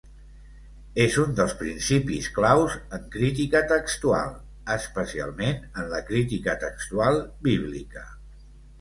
És un dels principis claus en crítica textual, especialment en la crítica textual bíblica.